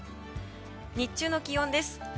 日中の気温です。